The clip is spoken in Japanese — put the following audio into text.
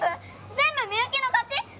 全部みゆきの勝ち？